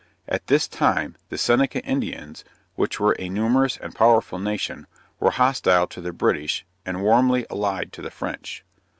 At this time, the Seneca Indians, (which were a numerous and powerful nation,) were hostile to the British, and warmly allied to the French.